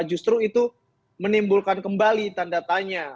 justru itu menimbulkan kembali tanda tanya